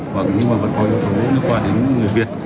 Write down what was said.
mà vẫn có hội phục vụ nước ngoài đến người việt